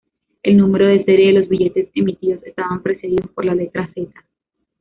El número de serie de los billetes emitidos estaban precedidos por la letra "Z".